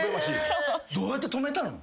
どうやって止めたの？